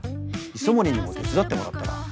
磯森にも手伝ってもらったら？